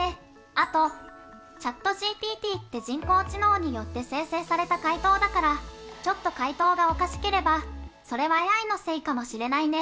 あと、ＣｈａｔＧＰＴって人工知能によって生成された回答だからちょっと回答がおかしければそれはＡＩのせいかもしれないね。